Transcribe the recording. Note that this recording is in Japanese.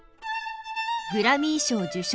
グラミー賞受賞